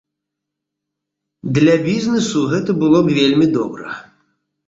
Для бізнесу гэта было б вельмі добра.